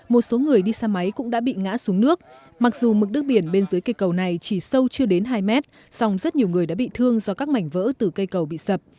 một số người đi xe máy cũng đã bị ngã xuống nước mặc dù mực nước biển bên dưới cây cầu này chỉ sâu chưa đến hai mét song rất nhiều người đã bị thương do các mảnh vỡ từ cây cầu bị sập